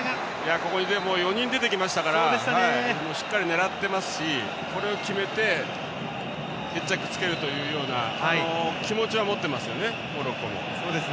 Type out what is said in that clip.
ここに４人出てきましたからしっかり狙ってますしこれを決めて決着つけるというような気持ちは持ってますね、モロッコ。